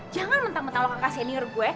jangan mentang mentang lo kakak senior gue